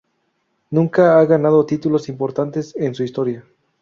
Nunca ha ganado títulos importantes en su historia.